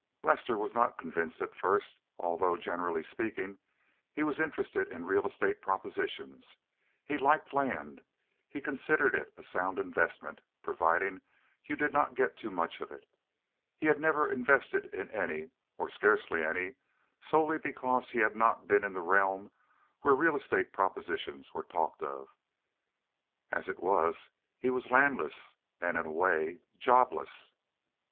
Lester was not convinced at first, although, generally speaking, he was interested in real estate propositions. He liked land. He considered it a sound investment providing you did not get too much of it. He had never invested in any, or scarcely any, solely because he had not been in a realm where real estate propositions were talked of. As it was he was landless and, in a way, jobless.